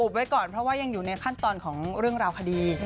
ไว้ก่อนเพราะว่ายังอยู่ในขั้นตอนของเรื่องราวคดี